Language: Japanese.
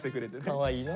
かわいいな。